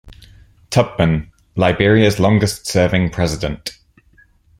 Tubman, Liberia's longest serving president.